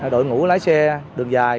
đội ngũ lái xe đường dài